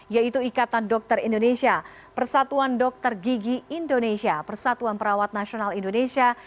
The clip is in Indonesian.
yaitu ikatan dokter indonesia persatuan dokter gigi indonesia persatuan perawat nasional indonesia